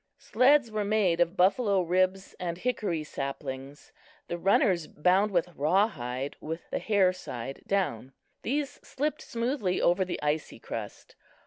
Sleds were made of buffalo ribs and hickory saplings, the runners bound with rawhide with the hair side down. These slipped smoothly over the icy crust.